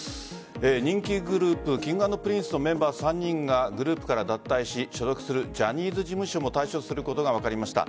人気グループＫｉｎｇ＆Ｐｒｉｎｃｅのメンバー３人がグループから脱退し所属するジャニーズ事務所も退所することが分かりました。